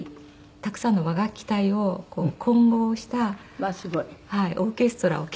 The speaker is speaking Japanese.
たくさんの和楽器隊を混合したオーケストラを結成して。